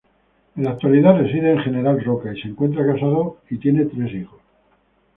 En la actualidad, reside en General Roca y se encuentra casado con tres hijos.